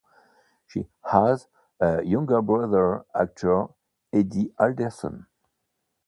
She has a younger brother, actor Eddie Alderson.